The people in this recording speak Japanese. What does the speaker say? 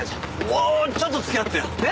もうちょっと付き合ってよ！ね？